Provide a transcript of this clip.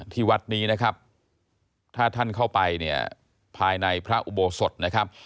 ที่วัดนี้นะครับถ้าท่านเข้าไปเนี่ยภายในพระอุโบสถนะครับ